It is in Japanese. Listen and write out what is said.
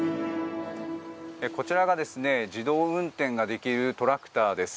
こちらが自動運転ができるトラクターです。